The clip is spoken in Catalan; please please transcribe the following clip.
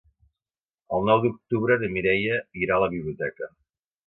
El nou d'octubre na Mireia irà a la biblioteca.